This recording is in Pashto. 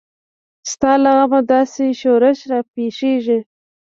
ستا له غمه داسې شورش راپېښیږي.